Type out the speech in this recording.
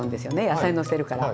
野菜のせるから。